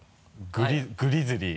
グリズリー。